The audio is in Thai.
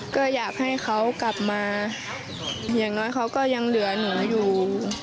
ก็อยากให้เขากลับมาอย่างน้อยเขาก็ยังเหลือหนูอยู่